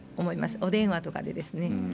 お電話とかでですね